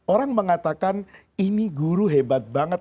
orang mengatakan ini guru hebat banget